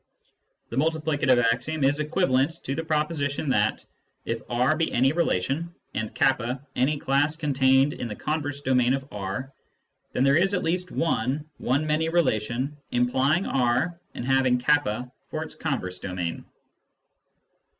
The multiplicative axiom is equivalent to the proposition that, if R be any relation, and k any class contained in the converse domain of R, then there is at least one one many relation implying R and having k for its converse domain.